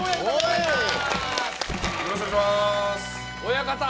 親方